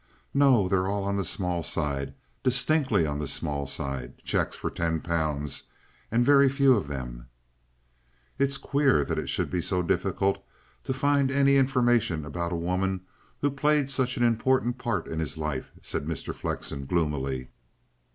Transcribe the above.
"No. They're all on the small side distinctly on the small side cheques for ten pounds and very few of them." "It is queer that it should be so difficult to find any information about a woman who played such an important part in his life," said Mr. Flexen gloomily.